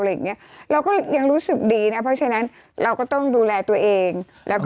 เราก็ยังรู้สึกดีนะเพราะฉะนั้นเราก็ต้องดูแลตัวเอง